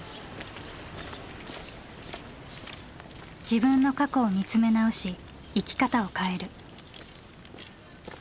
自分の過去を見つめ直し生き方を変える。